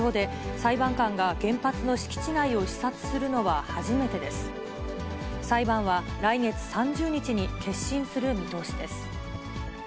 裁判は来月３０日に結審する見通しです。